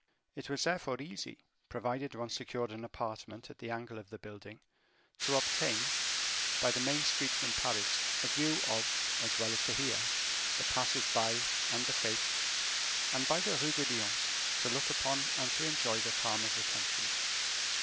It was therefore easy, provided one secured an apartment at the angle of the building, to obtain, by the main street from Paris, a view of, as well as to hear, the passers by and the fetes; and, by the Rue de Lyon, to look upon and to enjoy the calm of the country.